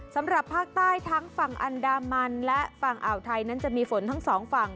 สำหรับภาคใต้ทั้งฝั่งอันดามันและฝั่งอ่าวไทยนั้นจะมีฝนทั้งสองฝั่ง